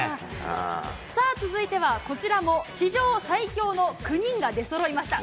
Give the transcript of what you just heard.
さあ、続いてはこちらも史上最強の９人が出そろいました。